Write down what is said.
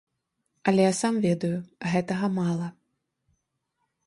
Але я сам ведаю, гэтага мала.